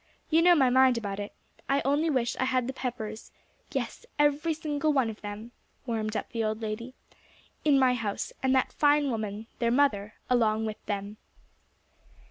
You know my mind about it. I only wish I had the Peppers yes, every single one of them," warmed up the old lady, "in my house, and that fine woman, their mother, along with them."